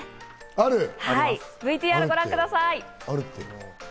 ＶＴＲをご覧ください。